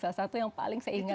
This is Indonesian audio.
salah satu yang paling saya ingat